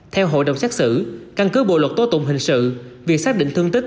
theo hội đồng xét xử căn cứ bộ luật tố tụng hình sự việc xác định thương tích